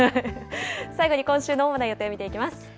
最後に今週の主な予定見ていきます。